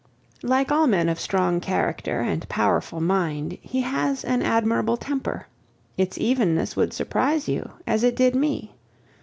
Like all men of strong character and powerful mind, he has an admirable temper; its evenness would surprise you, as it did me.